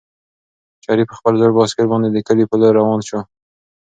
شریف په خپل زوړ بایسکل باندې د کلي په لور روان شو.